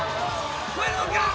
超えるのか？